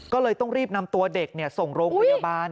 ก็เลยต้องรีบนำตัวเด็กส่งโรงพยาบาล